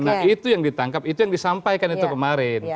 nah itu yang ditangkap itu yang disampaikan itu kemarin